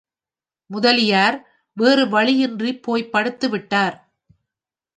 முதலியார் வேறு வழியின்றி போய்ப் படுத்துவிட்டார்.